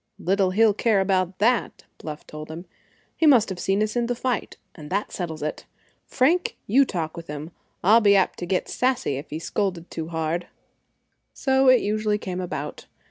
"Little he'll care about that," Bluff told him. "He must have seen us in the fight, and that settles it. Frank, you talk with him. I'd be apt to get sassy if he scolded too hard." So it usually came about.